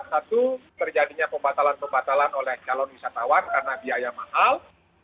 satu terjadinya pembatalan pembatalan oleh calon wisatawan karena biaya mahal